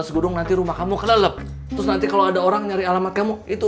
segunung aja segera nanti rumah kamu kelelep terus nanti kalau ada orang nyari alamat kamu itu